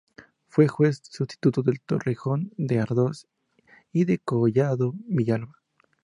Fue juez sustituto de Torrejón de Ardoz y de Collado Villalba.